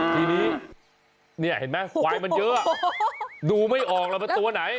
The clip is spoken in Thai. ทีนี้เนี่ยเห็นไหมควายมันเยอะดูไม่ออกแล้วมันตัวไหน